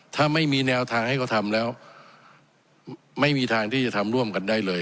ถ้าไม่มีแนวทางให้เขาทำแล้วไม่มีทางที่จะทำร่วมกันได้เลย